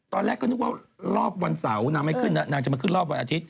ตอนแรกก็นึกว่ารอบวันเสาร์นางไม่ขึ้นนะนางจะมาขึ้นรอบวันอาทิตย